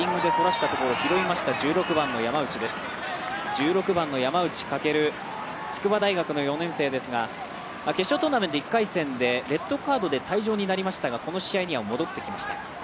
１６番の山内翔筑波大学の４年生ですが決勝トーナメント１回戦でレッドカードで退場になりましたがこの試合には戻ってきました。